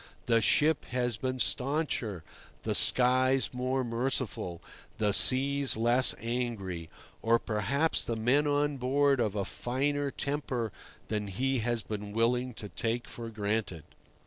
The ship has been stauncher, the skies more merciful, the seas less angry, or perhaps the men on board of a finer temper than he has been willing to take for granted.